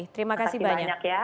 terima kasih banyak ya